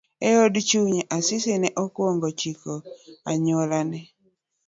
Eod chunye, Asisi nene okwong'o chike anyuolane.